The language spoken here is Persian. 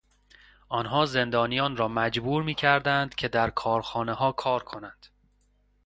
آنها زندانیان را مجبور میکردند که در کارخانهها کار کنند.